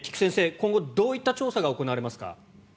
今後、どういった調査が行われますか？